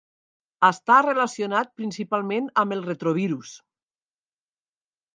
Està relacionat principalment amb els retrovirus.